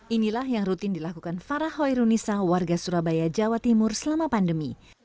inilah yang rutin dilakukan farah hoirunisa warga surabaya jawa timur selama pandemi